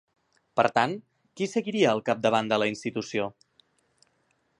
Per tant, qui seguiria al capdavant de la institució?